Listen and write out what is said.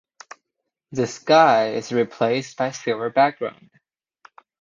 The sky is replaced by silver background.